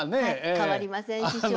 変わりません師匠も。